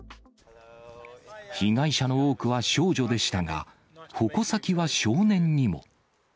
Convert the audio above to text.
被害者の多くは少女でしたが、矛先は少年にも。